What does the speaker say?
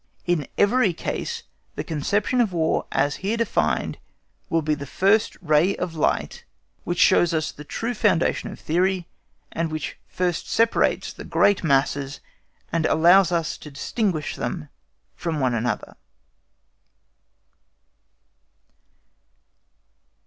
In every case the conception of War, as here defined, will be the first ray of light which shows us the true foundation of theory, and which first separates the great masses and allows us to distinguish them from one another.